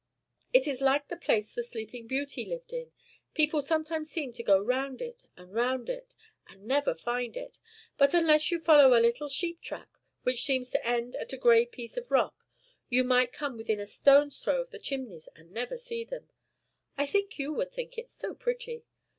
"It is like the place the Sleeping Beauty lived in; people sometimes seem to go round it and round it, and never find it. But unless you follow a little sheep track, which seems to end at a gray piece of rock, you may come within a stone's throw of the chimneys and never see them. I think you would think it so pretty.